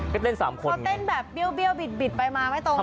เขาเต้นแบบเบี้ยวบิดไปมาไม่ตรงเลยนะ